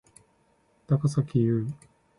高咲侑